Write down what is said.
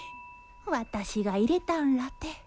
私が入れたんらて。